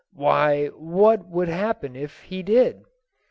"Why, what would happen if he did?"